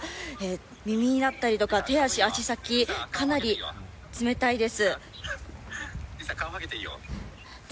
耳だったり手足、足先かなり冷たいです。